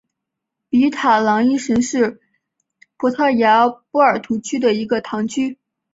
比塔朗伊什是葡萄牙波尔图区的一个堂区。